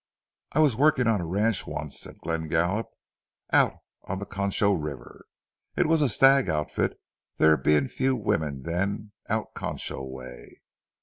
"I was working on a ranch once," said Glenn Gallup, "out on the Concho River. It was a stag outfit, there being few women then out Concho way.